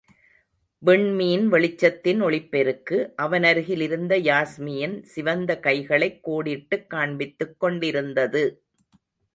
விண்மீன் வெளிச்சத்தின் ஒளிப்பெருக்கு, அவனருகில் இருந்த யாஸ்மியின் சிவந்த கைகளைக் கோடிட்டுக் காண்பித்துக் கொண்டிருந்தது.